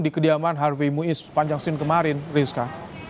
di kediaman harvey muiz sepanjang senin kemarin rizka